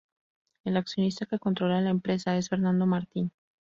El accionista que controla la empresa es Fernando Martín.